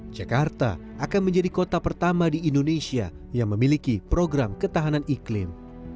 jakarta akan menjadi kota pertama di indonesia yang memiliki program ketahanan iklim